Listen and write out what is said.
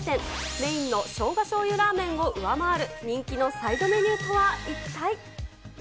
メインの生姜醤油ラーメンを上回る人気のサイドメニューとは一体。